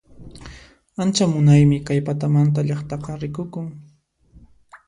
Ancha munaymi kay patamanta llaqtaqa rikukun